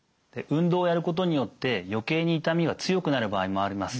運動をやることによって余計に痛みが強くなる場合もあります。